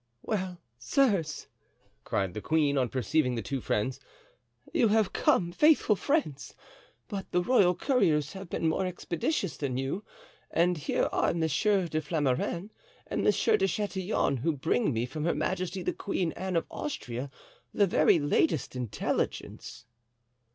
"Well, sirs!" cried the queen, on perceiving the two friends, "you have come, faithful friends! But the royal couriers have been more expeditious than you, and here are Monsieur de Flamarens and Monsieur de Chatillon, who bring me from Her Majesty the Queen Anne of Austria, the very latest intelligence."